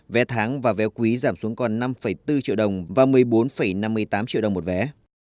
vé tháng và vé quý giảm xuống còn năm bốn triệu đồng và một mươi bốn năm mươi tám triệu đồng một vé